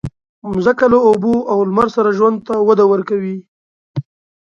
مځکه له اوبو او لمر سره ژوند ته وده ورکوي.